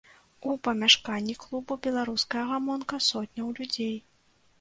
У памяшканні клубу беларуская гамонка сотняў людзей.